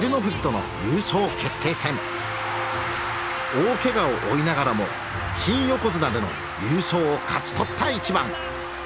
大けがを負いながらも新横綱での優勝を勝ち取った一番。